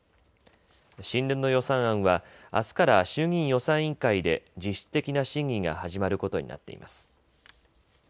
新年度予算案は、あすから衆議院予算委員会で実質的な審議が始まることになっています。